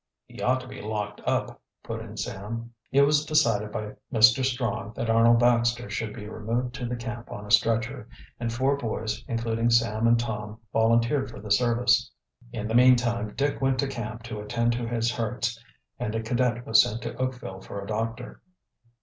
"He ought to be locked up," put in Sam. It was decided by Mr. Strong that Arnold Baxter should be removed to the camp on a stretcher, and four boys, including Sam and Tom, volunteered for the service. In the meantime Dick went to camp, to attend to his hurts, and a cadet was sent to Oakville for a doctor.